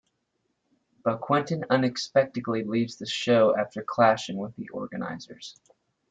But Quentin unexpectedly leaves the show after clashing with the organizers.